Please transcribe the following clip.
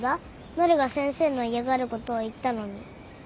なるが先生の嫌がることを言ったのに。